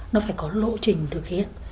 nó phải có lộ trình thực hiện